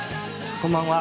こんばんは。